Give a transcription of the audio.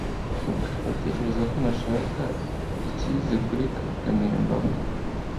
Uratekereza ko ntashaka icyiza kuri Kanimba